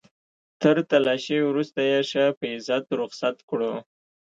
تر تلاشۍ وروسته يې ښه په عزت رخصت کړو.